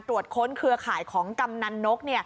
ตรวจค้นเครือข่ายของกำนันนก